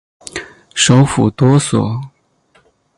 首府多索。